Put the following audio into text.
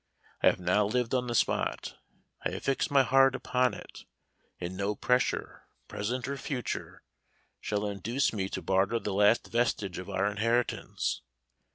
I have now lived on the spot. I have fixed my heart upon it, and no pressure, present or future, shall induce me to barter the last vestige of our inheritance.